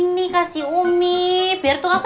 masih belum bisa